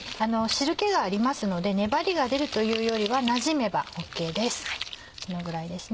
汁気がありますので粘りが出るというよりはなじめばＯＫです